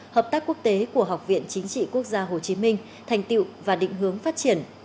hợp tác quốc tế của học viện chính trị quốc gia hồ chí minh thành tiệu và định hướng phát triển